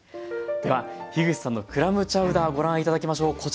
では口さんのクラムチャウダーご覧頂きましょう。